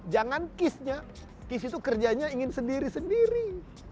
jangan kis nya kis itu kerjanya ingin sendiri sendiri